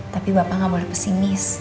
tapi bapak nggak boleh pesimis